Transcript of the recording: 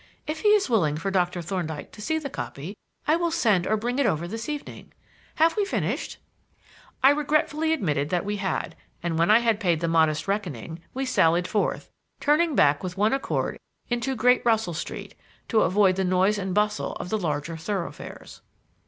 If he is willing for Doctor Thorndyke to see the copy, I will send or bring it over this evening. Have we finished?" I regretfully admitted that we had, and, when I had paid the modest reckoning, we sallied forth, turning back with one accord into Great Russell Street to avoid the noise and bustle of the larger thoroughfares.